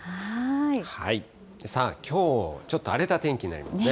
さあ、きょう、ちょっと荒れた天気になりますね。